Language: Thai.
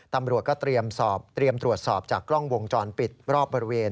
ตำรวจก็เตรียมสอบเตรียมตรวจสอบจากกล้องวงจรปิดรอบบริเวณ